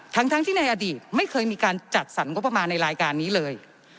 ทั้งที่ในอดีตไม่เคยมีการจัดสรรงบประมาณในรายการนี้เลย